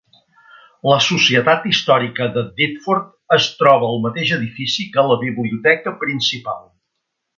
La Societat Històrica de Thetford es troba al mateix edifici que la biblioteca principal.